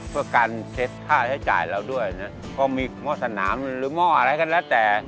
เพื่อการเช็ดค่าใช้จ่ายเราด้วยนะก็มีหม้อสนามหรือหม้ออะไรก็แล้วแต่